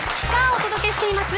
お届けしています